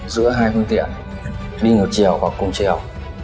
giữa hai phương tiện đi ngược chiều hoặc cùng chiều